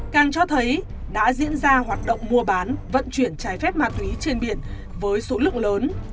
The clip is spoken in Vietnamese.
càng cho thấy đã diễn ra hoạt động mua bán vận chuyển trái phép ma túy trên biển với số lượng lớn